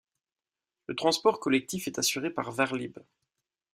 Le transport collectif est assuré par varlib.